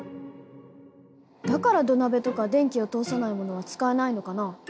だから土鍋とか電気を通さないものは使えないのかな？